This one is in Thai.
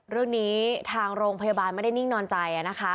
เรื่องนี้ทางโรงพยาบาลไม่ได้นิ่งนอนใจนะคะ